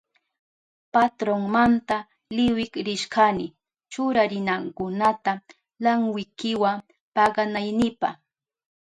Patronmanta liwik rishkani churarinakunata lankwikiwa paganaynipa.